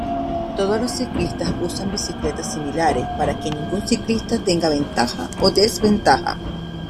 Todos los ciclistas usan bicicletas similares, para que ningún ciclista tenga ventaja o desventaja.